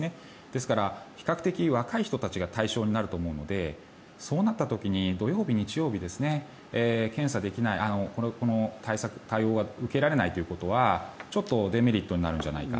ですから、比較的若い人たちが対象になると思うのでそうなった時に土曜日、日曜日検査できないこの対応が受けられないということはちょっとデメリットになるんじゃないか。